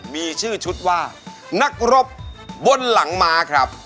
มีชื่อชุดว่านักรบบนหลังม้าครับ